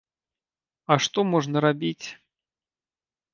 А што можна рабіць?!